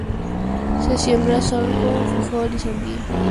Se siembra sorgo, frijol y sandía en gran escala.